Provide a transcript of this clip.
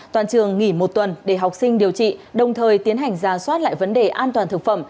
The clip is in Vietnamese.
toàn trường nghỉ một tuần để học sinh điều trị đồng thời tiến hành ra soát lại vấn đề an toàn thực phẩm